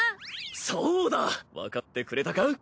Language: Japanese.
そうだわかってくれたか？